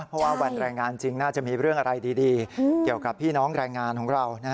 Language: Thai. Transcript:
เพราะว่าวันแรงงานจริงน่าจะมีเรื่องอะไรดีเกี่ยวกับพี่น้องแรงงานของเรา